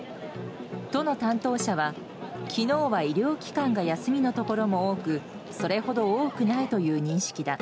都の担当者は、昨日は医療機関が休みのところも多くそれほど多くないという認識だ。